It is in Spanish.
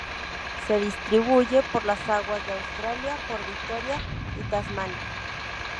Se distribuye por las aguas de Australia, por Victoria y Tasmania